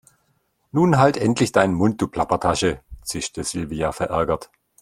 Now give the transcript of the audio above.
Nun halt endlich deinen Mund, du Plappertasche, zischte Silvia verärgert.